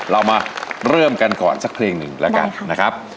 เรามาเริ่มกันก่อนสักเพลงหนึ่งแล้วกันนะครับ